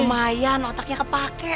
lumayan otaknya kepake